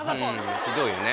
ひどいよね